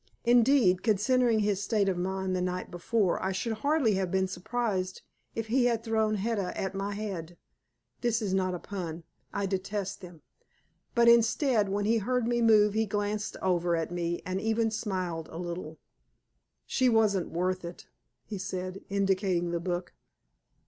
Indeed, considering his state of mind the night before, I should hardly have been surprised if he had thrown Hedda at my head. (This is not a pun. I detest them.) But instead, when he heard me move he glanced over at me and even smiled a little. "She wasn't worth it," he said, indicating the book.